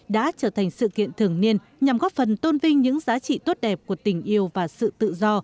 đã trở thành sự kiện thường niên nhằm góp phần tôn vinh những giá trị tốt đẹp của tình yêu và sự tự do